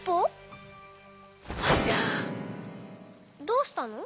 どうしたの？